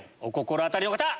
お心当たりの方！